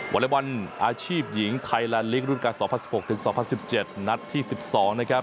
อเล็กบอลอาชีพหญิงไทยแลนดลิกรุ่นการ๒๐๑๖ถึง๒๐๑๗นัดที่๑๒นะครับ